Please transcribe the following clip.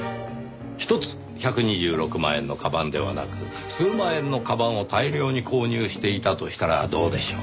１つ１２６万円のカバンではなく数万円のカバンを大量に購入していたとしたらどうでしょう。